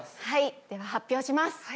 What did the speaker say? はいでは発表します。